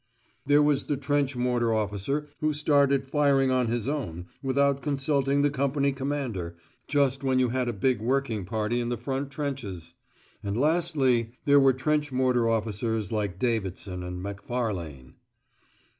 there was the trench mortar officer who started firing on his own, without consulting the company commander, just when you had a big working party in the front trenches; and lastly there were trench mortar officers like Davidson and Macfarlane.